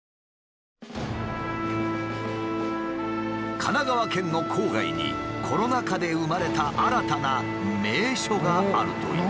神奈川県の郊外にコロナ禍で生まれた新たな名所があるという。